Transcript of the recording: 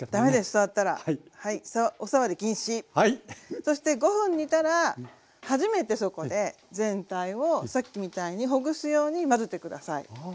そして５分煮たら初めてそこで全体をさっきみたいにほぐすように混ぜて下さい。